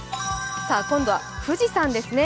今度は富士山ですね